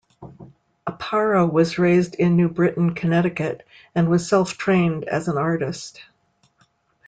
Aparo was raised in New Britain, Connecticut, and was self-trained as an artist.